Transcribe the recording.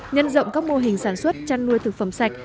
nhân rộng các mô hình sản xuất chăn nuôi thực phẩm sạch